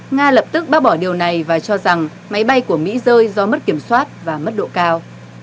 nga lập tức bác bỏ điều này và cho rằng máy bay của mỹ rơi do mất kiểm soát và mất độ cao